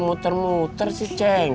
muter muter sih ceng